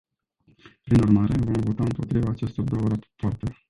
Prin urmare, vom vota împotriva acestor două rapoarte.